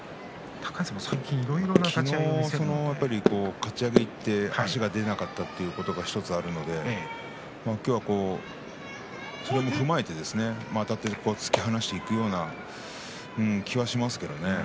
高安もいろんな昨日のかち上げにいって勝てなかったってことがありますから今日はそれを踏まえてあたって突き放していくような気がしますけどね。